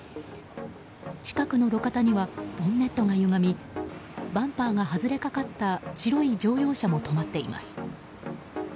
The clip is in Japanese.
近くの路肩にはボンネットが歪みバンパーが外れかかった白い乗用車も止まっています。